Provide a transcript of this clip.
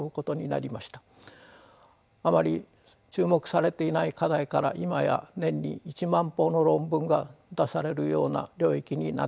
あまり注目されていない課題から今や年に１万報の論文が出されるような領域になってきました。